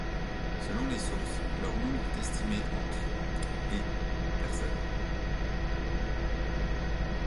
Selon les sources, leur nombre est estimé entre et personnes.